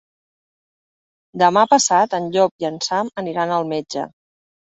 Demà passat en Llop i en Sam aniran al metge.